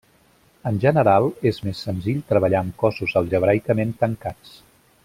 En general, és més senzill treballar amb cossos algebraicament tancats.